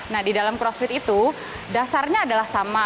nah di dalam crossfit itu dasarnya adalah sama